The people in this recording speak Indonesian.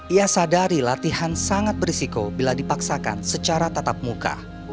ia sadari latihan sangat berisiko bila dipaksakan secara tatap muka